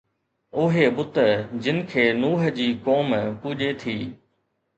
اهي بت جن کي نوح جي قوم پوڄي ٿي